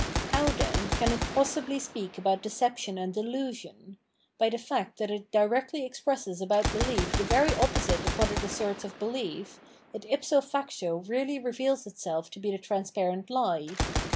How, then, can it possibly speak about deception and delusion ? By the fact that it directly expresses about behef the very opposite of what it asserts of behef, it ipso facto reaUy reveals itself to be the transparent lie.